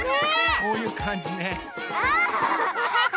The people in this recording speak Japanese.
こういうかんじね。